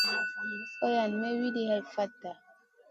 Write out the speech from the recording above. Iran may wuidi hai fatta.